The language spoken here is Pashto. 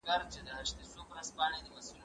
د بازانو د حملو کیسې کېدلې